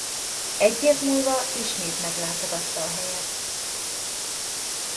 Egy év múlva ismét meglátogatta a helyet.